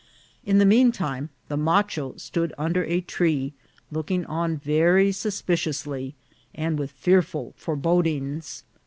In the mean time the macho stood under a tree, looking on very suspiciously, and with fearful fore bodings.